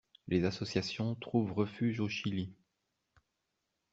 Les associations trouvent refuge au Chili.